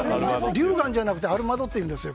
竜眼じゃなくてアルマドっていうんですよ。